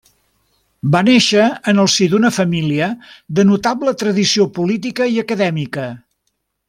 Va néixer en el si d'una família de notable tradició política i acadèmica.